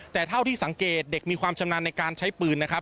แต่เท่าที่สังเกตเด็กมีความชำนาญในการใช้ปืนนะครับ